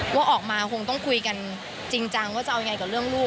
ว่าออกมาคงต้องคุยกันจริงจังว่าจะเอายังไงกับเรื่องลูก